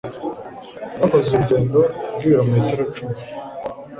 Bakoze urugendo rw'ibirometero icumi